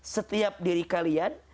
setiap diri kalian